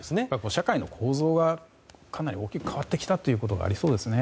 社会の構造がかなり大きく変わってきたのがありそうですね。